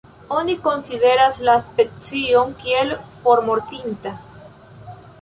Oni konsideras la specion kiel formortinta.